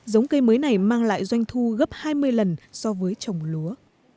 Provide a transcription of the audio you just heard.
giống cây mới này mang lại doanh thu gấp hai mươi lần so với trồng lúa